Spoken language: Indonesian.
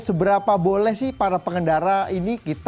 seberapa boleh sih para pengendara ini kita